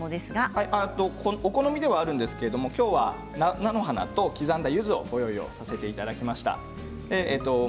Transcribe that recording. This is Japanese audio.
お好みではあるんですがきょうは菜の花と刻んだゆずをご用意させていただきました。